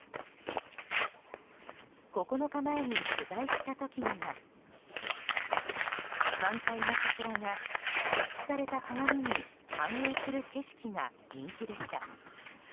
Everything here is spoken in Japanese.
９日前に取材した時には満開の桜が設置された鏡に反映する景色が人気でした。